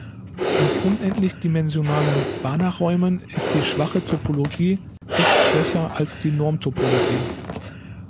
In unendlich-dimensionalen Banachräumen ist die schwache Topologie echt schwächer als die Normtopologie.